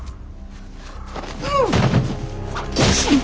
うっ。